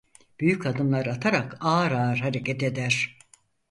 Büyük adımlar atarak ağır ağır hareket eder.